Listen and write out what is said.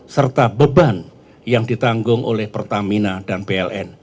serta beban yang ditanggung oleh pertamina dan pln